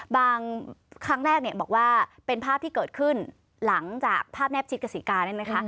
ครั้งแรกเนี่ยบอกว่าเป็นภาพที่เกิดขึ้นหลังจากภาพแนบชิดกษีกาเนี่ยนะคะ